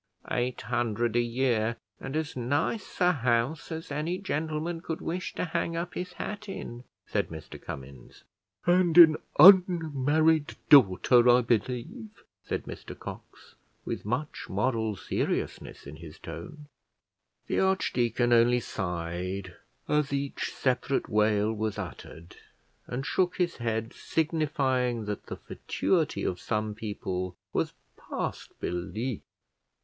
"Eight hundred a year, and as nice a house as any gentleman could wish to hang up his hat in," said Mr Cummins. "And an unmarried daughter, I believe," said Mr Cox, with much moral seriousness in his tone. The archdeacon only sighed as each separate wail was uttered, and shook his head, signifying that the fatuity of some people was past belief.